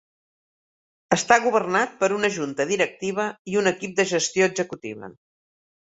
Està governat per una junta directiva i un equip de gestió executiva.